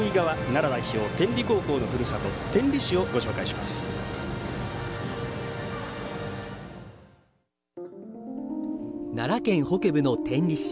奈良県北部の天理市。